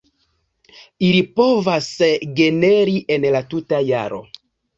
Ili povas generi en la tuta jaro.